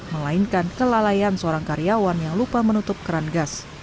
melainkan kelalaian seorang karyawan yang lupa menutup keran gas